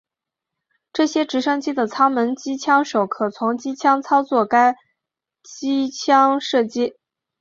这些直升机的舱门机枪手可从机舱操作该机枪射击。